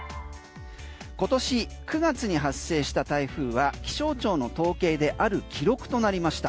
今年９月に発生した台風は気象庁の統計である記録となりました。